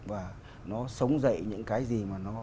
và nó sống dậy những cái gì mà nó